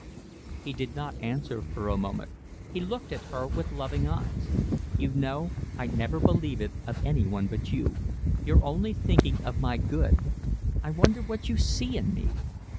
He did not answer for a moment. He looked at her with loving eyes. "You know, I'd never believe it of anyone but you. You're only thinking of my good. I wonder what you see in me."